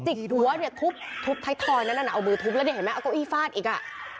เนี่ยจิกหัวเนี่ยทุบทุบไทท์ทอลนั้นน่ะน่ะเอามือทุบแล้วเนี่ยเห็นมั้ยเอาก้ออีฟาดอีกอ่ะ